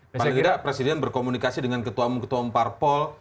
paling tidak presiden berkomunikasi dengan ketua ketua parpol